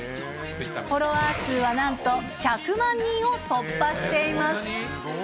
フォロワー数はなんと１００万人を突破しています。